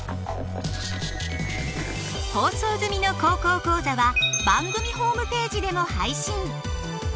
放送済みの「高校講座」は番組ホームページでも配信。